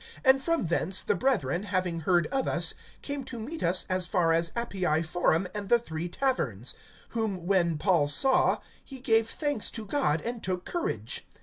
(15)And from thence, the brethren, having heard of us, came to meet us as far as Appii Forum, and the Three Taverns; whom when Paul saw, he gave thanks to God, and took courage.